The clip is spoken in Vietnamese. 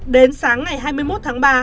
đến sáng ngày hai mươi một tháng ba